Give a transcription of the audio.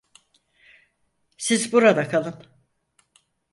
Siz burada kalın.